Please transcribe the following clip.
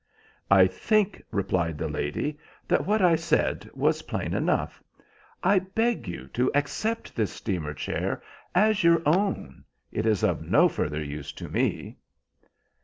"I think," replied the lady, "that what I said was plain enough. I beg you to accept this steamer chair as your own. It is of no further use to me."